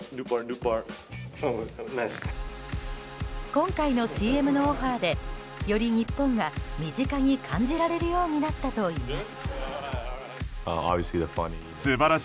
今回のＣＭのオファーでより日本が身近に感じられるようになったといいます。